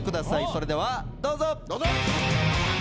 それではどうぞ。